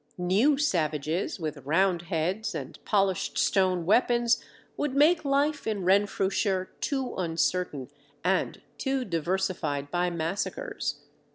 New savages with round heads and polished stone weapons would make life in Renfrewshire too uncertain and too diversified by massacres.